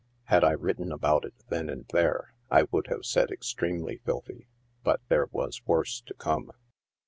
Had I written about it then and there, I would have said extremely filthy ; but there was worse to come.